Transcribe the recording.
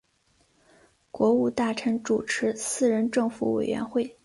国务大臣主持四人政府委员会。